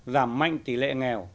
giảm mạnh tỷ lệ nghèo